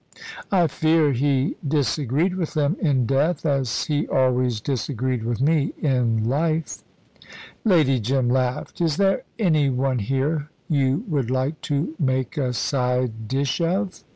I fear he disagreed with them in death, as he always disagreed with me in life." Lady Jim laughed. "Is there any one here you would like to make a side dish of?"